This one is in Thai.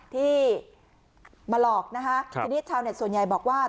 ที่มาหลอกนะคะทีนี้ชาวเน็ตส่วนใหญ่บอกว่า